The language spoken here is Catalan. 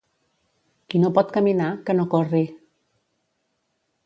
Qui no pot caminar, que no corri.